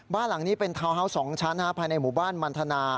บ้านหลังนี้เป็นทาวน์ฮาวส์๒ชั้นภายในหมู่บ้านมันทนา